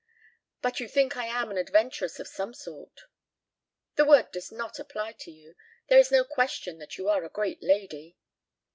"But you think I am an adventuress of some sort." "The word does not apply to you. There is no question that you are a great lady."